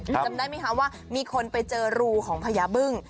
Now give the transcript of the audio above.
จำได้ไหมคะว่ามีคนไปเจอรูของพญาบึ้ง